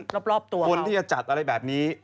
เพราะฉะนั้นคนที่จะจัดอะไรแบบนี้